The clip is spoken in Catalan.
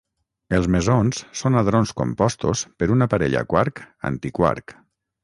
Els mesons són hadrons compostos per una parella quark-antiquark.